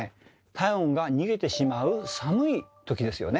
体温が逃げてしまう寒いときですよね。